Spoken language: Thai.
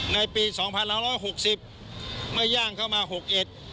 ในปี๒๑๖๐ไม่ย่างเข้ามา๖เอ็ด